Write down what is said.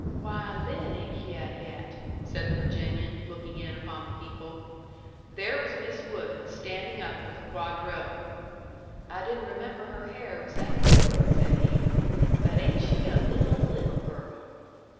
"Why, Lin ain't hyeh yet!" said the Virginian, looking in upon the people. There was Miss Wood, standing up for the quadrille. "I didn't remember her hair was that pretty," said he. "But ain't she a little, little girl!"